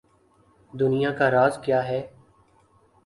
دنیا کا راز کیا ہے؟